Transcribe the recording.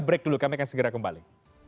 break dulu kami akan segera kembali